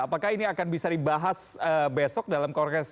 apakah ini akan bisa dibahas besok dalam kongres